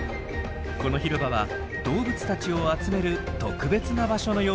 この広場は動物たちを集める特別な場所のようです。